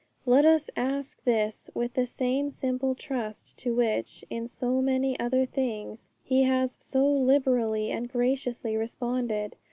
Let us ask this with the same simple trust to which, in so many other things, He has so liberally and graciously responded.